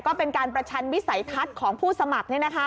ก็เป็นการประชันวิสัยคัดของผู้สมัครเนี่ยนะคะ